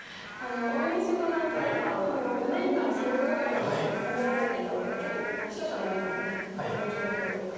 大西五段といえば４年間記録係も以前務められていたので結構視聴者の皆さんもその記憶あると思いますが。